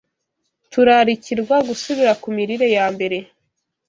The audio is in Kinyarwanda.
Turarikirwa Gusubira ku Mirire ya Mbere